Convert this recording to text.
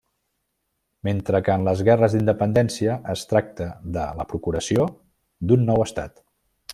Mentre que en les guerres d'independència es tracta de la procuració d'un nou Estat.